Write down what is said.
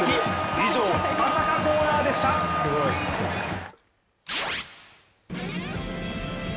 以上、「スパサカ」コーナーでした。